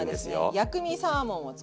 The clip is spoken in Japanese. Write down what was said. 薬味サーモンを作ります